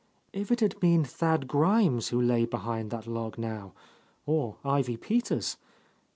If it had been Thad Grimes who lay behind that log, now, or Ivy Peters?